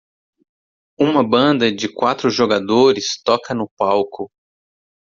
Uma banda de quatro jogadores toca no palco.